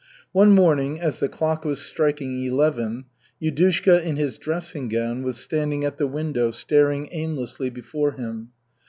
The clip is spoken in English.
One morning as the clock was striking eleven, Yudushka in his dressing gown was standing at the window staring aimlessly before him.